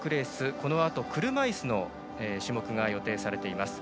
このあと車いすの種目が予定されています。